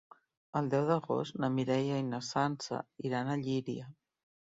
El deu d'agost na Mireia i na Sança iran a Llíria.